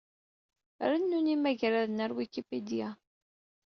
Rennun imagraden ɣer Wikipedia.